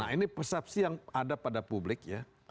nah ini persepsi yang ada pada publik ya